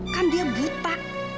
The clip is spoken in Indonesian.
kan dia buta